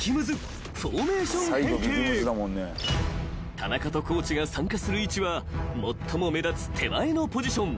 ［田中と地が参加する位置は最も目立つ手前のポジション］